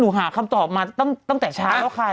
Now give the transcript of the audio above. นี่ก็หนูหาคำตอบมาตั้งแต่ช้าแล้วใคร